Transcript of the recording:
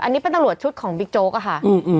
อันนี้เป็นตำรวจชุดของบิ๊กโจ๊กอะค่ะ